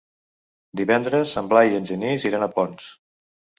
Divendres en Blai i en Genís iran a Ponts.